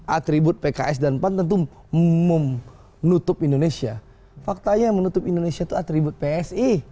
atribut pks dan pan tentu nutup indonesia faktanya yang menutup indonesia itu atribut psi